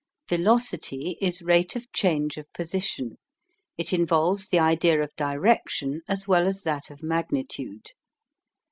VELOCITY is rate of change of position. It involves the idea of direction as well as that of magnitude.